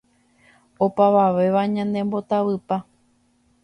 Opavavéva ñanembotavypa.